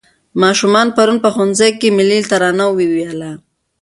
ماشومانو پرون په ښوونځي کې ملي ترانه وویله.